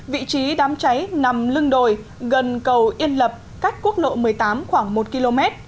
vị trí đám cháy nằm lưng đồi gần cầu yên lập cách quốc lộ một mươi tám khoảng một km